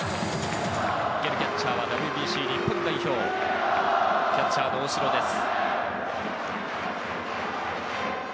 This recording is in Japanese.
受けるキャッチャーはＷＢＣ日本代表キャッチャーの大城です。